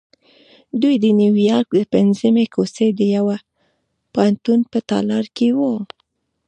دوی د نیویارک د پنځمې کوڅې د یوه پوهنتون په تالار کې وو